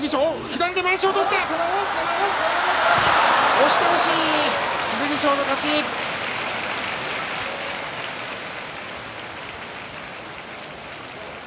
押し倒し剣翔の勝ちです。